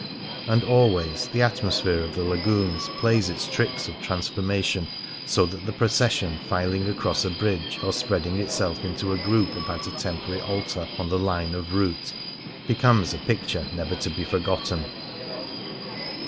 And alv, ays the atmosphere of the Lagoons plays its tricks of transformation, so that the procession filing across a bridge, or spreading itself into a group about a temporary altar on the line of route, becomes a picture never to be forgotten.